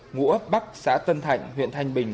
ngũ ấp bắc xã tân thạnh huyện thanh bình